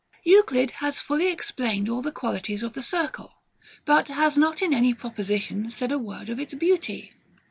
Euclid has fully explained all the qualities of the circle; but has not in any proposition said a word of its beauty.